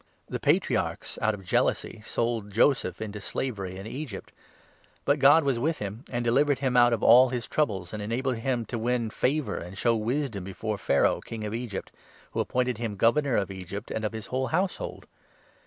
The Patriarchs, out 9 of jealousy, sold Joseph into slavery in Egypt ; but God was with him, and delivered him out of all his troubles, and 10 enabled him to win favour and show wisdom before Pharaoh, King of Egypt, who appointed him Governor of Egypt and of his whole household.